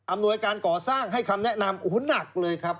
หน่วยการก่อสร้างให้คำแนะนำโอ้โหหนักเลยครับ